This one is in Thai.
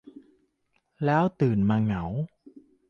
แล้วตื่นมาเหงา